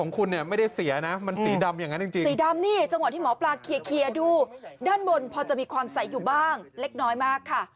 ข้างบนพอจะมีความใสอยู่บ้างเล็กน้อยมากค่ะ